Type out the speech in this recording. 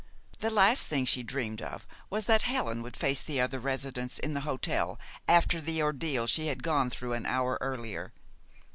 The last thing she dreamed of was that Helen would face the other residents in the hotel after the ordeal she had gone through an hour earlier.